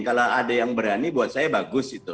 kalau ada yang berani buat saya bagus itu